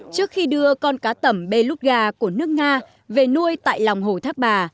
trước khi đưa con cá tầm beluga của nước nga về nuôi tại lòng hồ thác bà